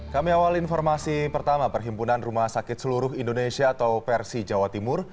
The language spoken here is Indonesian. kami awal informasi pertama perhimpunan rumah sakit seluruh indonesia atau persi jawa timur